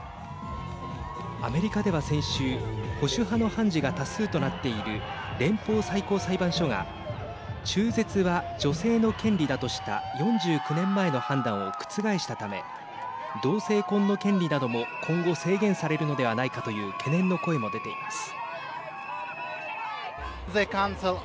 アメリカでは、先週保守派の判事が多数となっている連邦最高裁判所が中絶は女性の権利だとした４９年前の判断を覆したため同性婚の権利なども今後制限されるのではないかという懸念の声も出ています。